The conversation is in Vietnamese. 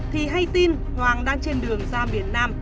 thì hay tin hoàng đang trên đường ra biển nam